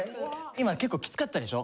今結構きつかったでしょ。